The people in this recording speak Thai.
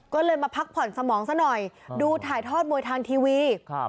ก็เลยมาพักผ่อนสมองซะหน่อยดูถ่ายทอดมวยทางทีวี